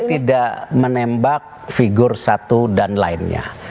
tidak menembak figur satu dan lainnya